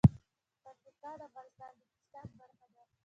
پکتیکا د افغانستان د اقتصاد برخه ده.